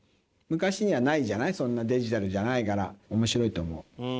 昔にはないじゃないそんなデジタルじゃないから。